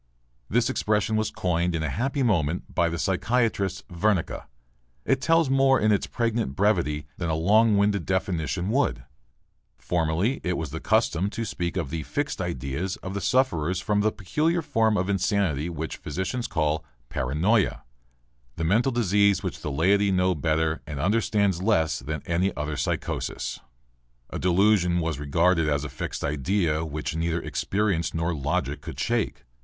This expression was coined in a happy moment by the psychiatrist Wernicke. It tells more in its pregnant brevity than a long winded definition would. Formerly it was the custom to speak of the "fixed ideas" of the sufferers from the peculiar form of insanity which physicians call "paranoia," the mental disease which the laiety knows better and understands less than any other psychosis. A delusion was regarded as a fixed idea which neither experience nor logic could shake.